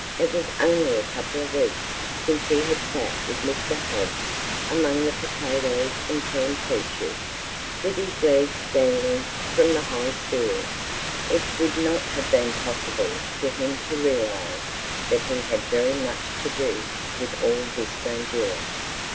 It was only a couple of weeks since he had sat with Mr. Hobbs among the potatoes and canned peaches, with his legs dangling from the high stool; it would not have been possible for him to realize that he had very much to do with all this grandeur.